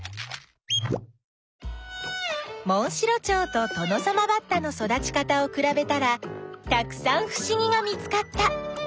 モンシロチョウとトノサマバッタの育ち方をくらべたらたくさんふしぎが見つかった。